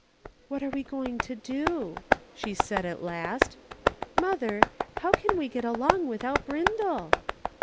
" What are we going to do ?" she said, at last. " Mother, how can we get along without Brindle